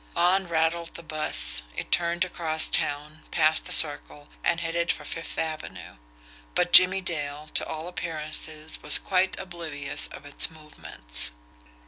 On rattled the bus; it turned across town, passed the Circle, and headed for Fifth Avenue but Jimmie Dale, to all appearances, was quite oblivious of its movements.